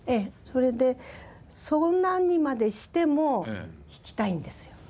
それでそんなにまでしても弾きたいんですよ。